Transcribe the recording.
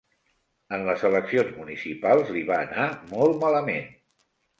En les eleccions municipals li va anar molt malament.